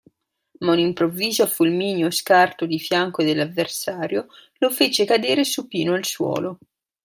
Ma un improvviso, fulmineo scarto di fianco dell'avversario, lo fece cadere supino al suolo.